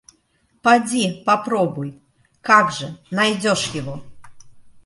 Пойди, попробуй, — как же, найдешь его!